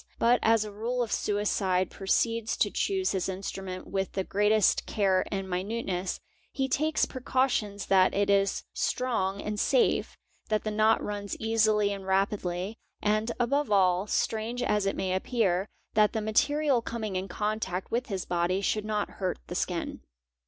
But as a rule the suicide proceeds to choose his instrument with the greatest care and minuteness; he takes precautions that it is strong and safe, that the knot runs easily and rapidly, and above all, strange as it may appear, that the material coming in contact with his body should not — hurt the skin.